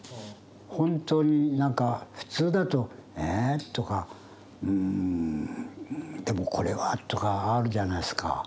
本当になんか普通だと「えぇ」とか「うんでもこれは」とかあるじゃないですか。